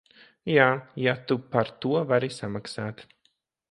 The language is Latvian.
Jā, ja tu par to vari samaksāt.